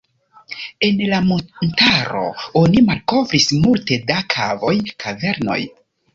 En la montaro oni malkovris multe da kavoj, kavernoj.